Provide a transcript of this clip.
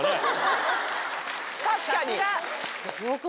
確かに。